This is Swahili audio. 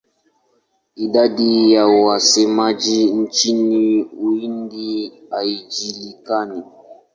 Idadi ya wasemaji nchini Uhindi haijulikani.